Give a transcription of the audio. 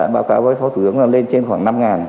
báo cáo với phó thủ đứng lên trên khoảng năm ngàn